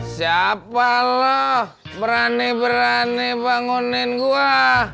siapa loh berani berani bangunin gue